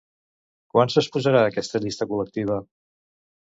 Quan s'exposarà aquesta llista col·lectiva?